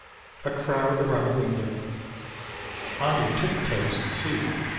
A crowd around a window. On your tip toes to see.